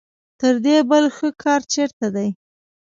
تر دې بل ښه کار چېرته دی.